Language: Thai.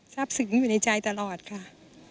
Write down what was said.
ทรัพย์ศึกษ์อยู่ในใจตลอดค่ะ